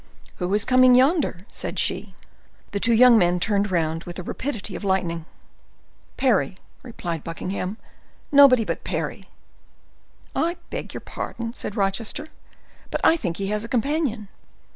"Who is coming yonder?" said she. The two young men turned round with the rapidity of lightning. "Parry," replied Buckingham; "nobody but Parry." "I beg your pardon," said Rochester, "but I think he has a companion."